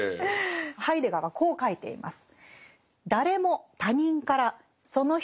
ハイデガーはこう書いています。